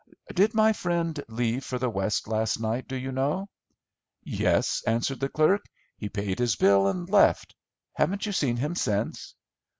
"Did my friend leave for the West last night, do you know?" "Yes," answered the clerk, "he paid his bill and left. Haven't you seen him since?"